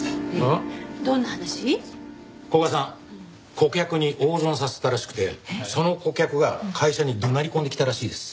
顧客に大損させたらしくてその顧客が会社に怒鳴り込んできたらしいです。